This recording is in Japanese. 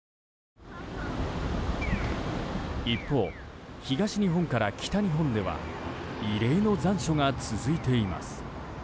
一方、東日本から北日本では異例の残暑が続いています。